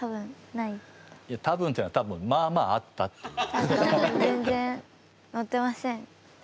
いや多分っていうのは多分まあまああったっていう。